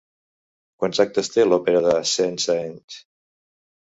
Quants actes té l'òpera de Saint-Saëns?